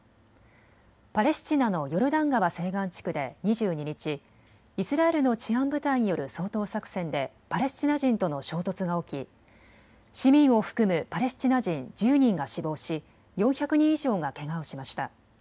パレスチナのヨルダン川西岸地区で２２日、イスラエルの治安部隊による掃討作戦でパレスチナ人との衝突が起き市民を含むパレスチナ人１０人が死亡し、４００人以上がけがをしました。